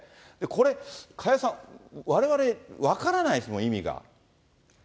これ、加谷さん、われわれ分からないですもん、意味が。